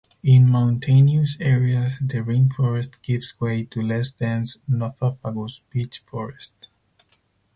In mountainous areas the rainforest gives way to less dense "Nothofagus" beech forest.